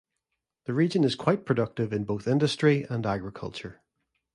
The region is quite productive in both industry and agriculture.